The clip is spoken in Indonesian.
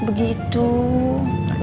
bukannya sampe pucet